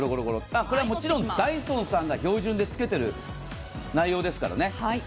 もちろんダイソンさんが標準でつけている内容ですからね。